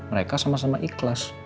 mereka sama sama ikhlas